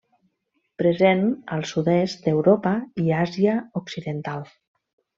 Present al sud-est d’Europa i Àsia occidental.